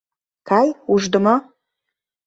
Кай, ушдымо!